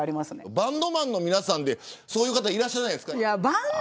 バンドマンの皆さんでそういう方いないですか。